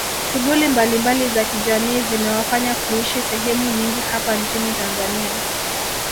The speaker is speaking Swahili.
Shughuli mbalimbali za kijamii zimewafanya kuishi sahemu nyingi hapa nchini Tanzania